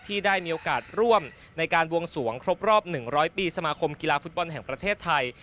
ที่ได้มีโอกาสร่วมในการบวงสวงครบรอบ๑๐๐ปีสมาคมกีฬาฟุตบอลแห่งประเทศไทย